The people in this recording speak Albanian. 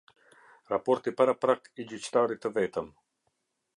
Raporti paraprak i gjyqtarit të vetëm.